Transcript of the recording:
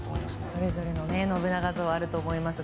それぞれの信長像があると思います。